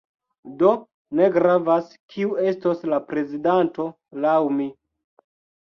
Do, ne gravas kiu estos la prezidanto laŭ mi